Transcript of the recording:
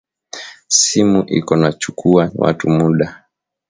Simu iko na chukuwa watu muda